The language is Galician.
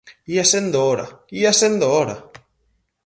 ¡Ía sendo hora, ía sendo hora!